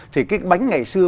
thì cái bánh ngày xưa